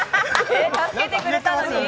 助けてくれたのに？